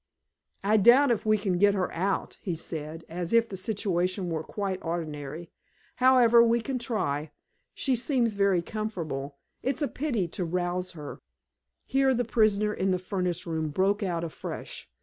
"I doubt if we can get her out," he said, as if the situation were quite ordinary. "However, we can try. She seems very comfortable. It's a pity to rouse her." Here the prisoner in the furnace room broke out afresh.